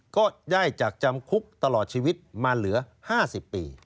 ก็ได้จากจำคุกตลอดชีวิตมาเหลือ๕๐ปี